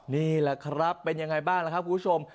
นี่แหละครับเป็นยังไงบ้างล่ะครับคุณผู้ชม